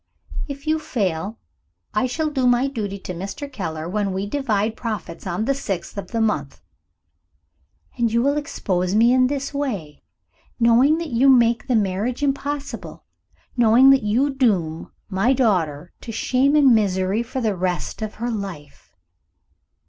"If you fail, I shall do my duty to Mr. Keller, when we divide profits on the sixth of the month." "And you will expose me in this way, knowing that you make the marriage impossible knowing that you doom my daughter to shame and misery for the rest of her life?"